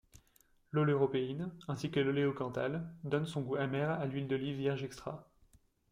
L'oleuropéine, ainsi que l'oléocanthal, donnent son goût amer à l'huile d'olive vierge extra.